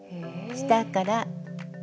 下から上。